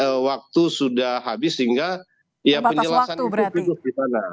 tapi waktu sudah habis sehingga ya penjelasan itu berikut di sana